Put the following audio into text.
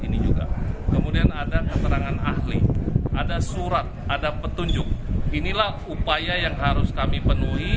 ini juga kemudian ada keterangan ahli ada surat ada petunjuk inilah upaya yang harus kami penuhi